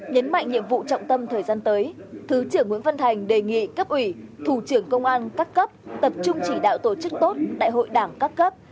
nhấn mạnh nhiệm vụ trọng tâm thời gian tới thứ trưởng nguyễn văn thành đề nghị cấp ủy thủ trưởng công an các cấp tập trung chỉ đạo tổ chức tốt đại hội đảng các cấp